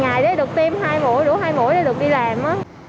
rủ hai mũi để được đi làm